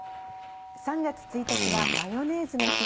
３月１日はマヨネーズの日。